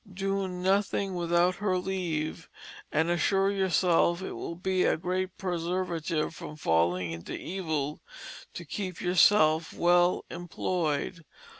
Doe nothing without her leave, and assure yourself it will be a great preservative from falling into evill to keep yourself well imployed.